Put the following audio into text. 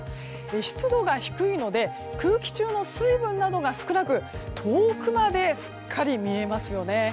湿度が低いので空気中の水分などが少なく遠くまですっかり見えますよね。